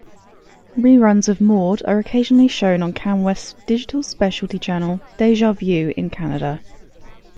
Reruns of "Maude" are occasionally shown on Canwest's digital specialty channel, DejaView in Canada.